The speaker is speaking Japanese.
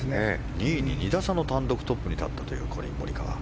２位に２打差の単独トップに立ったというコリン・モリカワ。